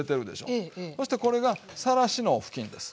そしてこれがさらしの布巾です。